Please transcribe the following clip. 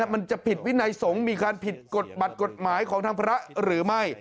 มันจะผิดวินัยสงฆ์มีการผิดกฎบัตรกฎหมายของทางพระหรือไม่